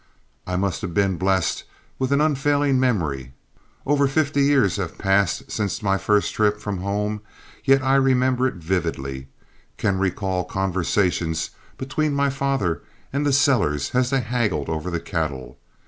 I must have been blessed with an unfailing memory; over fifty years have passed since that, my first trip from home, yet I remember it vividly can recall conversations between my father and the sellers as they haggled over the cattle.